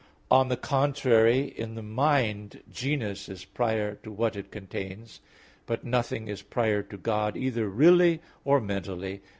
On the contrary, In the mind, genus is prior to what it contains. But nothing is prior to God either really or mentally.